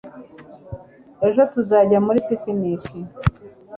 Ejo tuzajya muri picnic